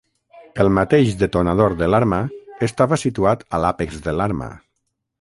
El mateix detonador de l'arma estava situada a l'àpex de l'arma.